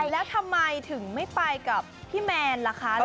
แล้วทำไมถึงไม่ไปกับพี่แมนล่ะคะ